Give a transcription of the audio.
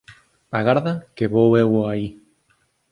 Agarda que vou eu aí.